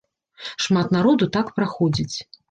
Шмат народу так праходзіць.